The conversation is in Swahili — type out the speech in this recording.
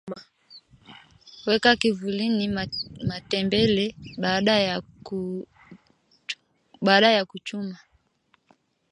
weka kivulini matembele baada ya kuchuma